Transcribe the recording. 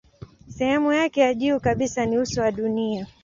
Sehemu yake ya juu kabisa ni uso wa dunia.